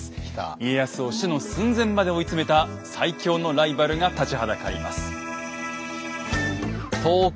家康を死の寸前まで追い詰めた最強のライバルが立ちはだかります。